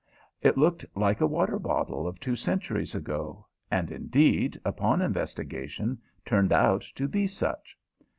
It looked like a water bottle of two centuries ago, and, indeed, upon investigation turned out to be such.